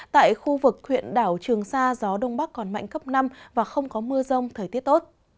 tại khu vực huyện đảo trường sa gió đông bắc còn mạnh cấp năm và không có mưa rông thời tiết tốt